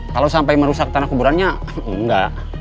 kalau sampai merusak tanah kuburannya enggak